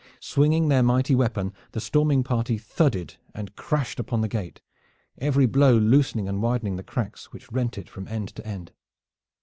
Swinging their mighty weapon, the storming party thudded and crashed upon the gate, every blow loosening and widening the cracks which rent it from end to end.